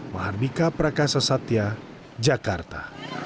mahardika prakasa satya jakarta